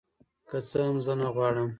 که څه هم زه نغواړم